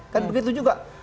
kan begitu juga